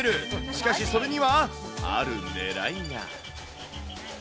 しかしそれには、あるねらいが。